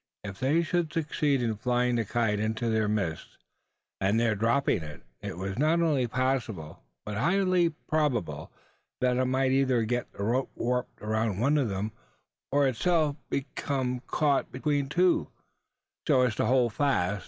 If they should succeed in flying the kite into their midst, and there dropping it, it was not only possible, but highly probable, that it might either get the rope warped around one of them, or itself become caught between two, so as to hold fast.